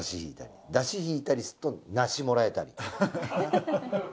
山車引いたりするとナシもらえたり。